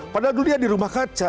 padahal dulu dia di rumah kaca